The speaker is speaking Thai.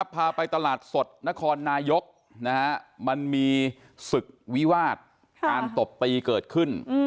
พาไปตลาดสดนครนายกมันมีศึกวิวาสการตบตีเกิดขึ้น